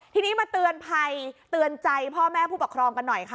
ทีนี้มาเตือนภัยเตือนใจพ่อแม่ผู้ปกครองกันหน่อยค่ะ